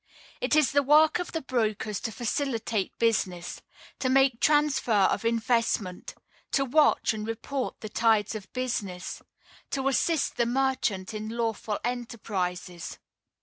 It is the work of the brokers to facilitate business; to make transfer of investment; to watch and report the tides of business; to assist the merchant in lawful enterprises.